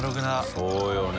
そうよね。